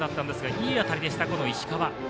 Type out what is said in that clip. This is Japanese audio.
いい当たりでした、石川。